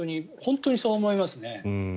本当にそう思いますね。